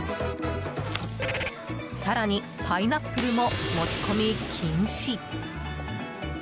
更にパイナップルも持ち込み禁止。